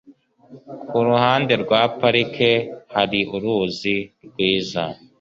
Kuruhande rwa parike hari uruzi rwiza.